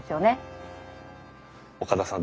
岡田さん